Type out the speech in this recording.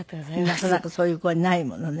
なかなかそういう声ないものね。